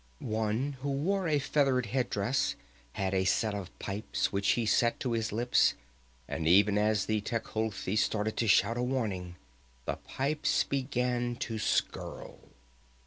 One who wore a feathered head dress had a set of pipes which he set to his lips, and even as the Tecuhltli started to shout a warning, the pipes began to skirl.